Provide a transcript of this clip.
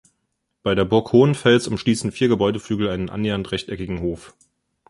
Bei der Burg Hohenfels umschließen vier Gebäudeflügel einen annähernd rechteckigen Hof.